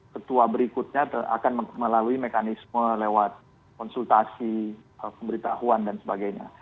ketua berikutnya akan melalui mekanisme lewat konsultasi pemberitahuan dan sebagainya